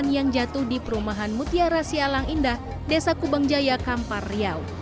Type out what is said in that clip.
yang jatuh di perumahan mutiara sialang indah desa kubang jaya kampar riau